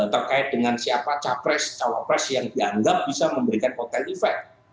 terkait dengan siapa capres cawapres yang dianggap bisa memberikan kotel efek